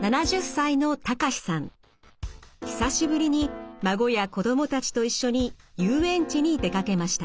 久しぶりに孫や子供たちと一緒に遊園地に出かけました。